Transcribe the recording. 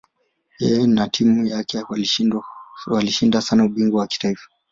Yeye na timu yake walishinda sana ubingwa wa kitaifa.